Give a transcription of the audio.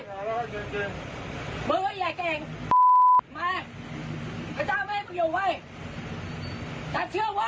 อะไรนะ